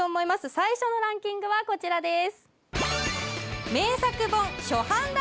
最初のランキングはこちらです